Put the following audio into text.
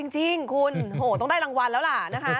จริงคุณโหต้องได้รางวัลแล้วล่ะนะคะ